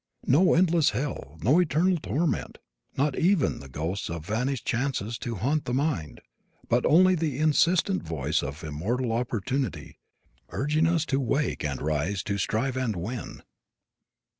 No endless hell, no eternal torment; not even the ghosts of vanished chances to haunt the mind; but only the insistent voice of immortal Opportunity, urging us to wake and rise to strive and win!